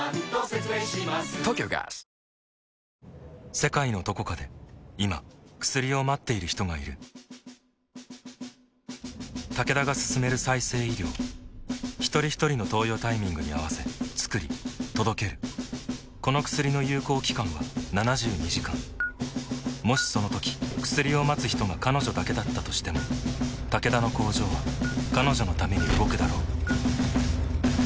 世界のどこかで今薬を待っている人がいるタケダが進める再生医療ひとりひとりの投与タイミングに合わせつくり届けるこの薬の有効期間は７２時間もしそのとき薬を待つ人が彼女だけだったとしてもタケダの工場は彼女のために動くだろう